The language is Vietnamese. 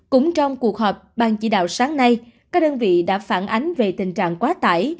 cũng trong cuộc họp ban chỉ đạo sáng nay các đơn vị đã phản ánh về tình trạng quá tải